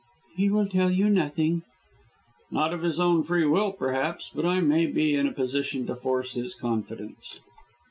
"He will tell you nothing." "Not of his own free will, perhaps, but I maybe in a position to force his confidence."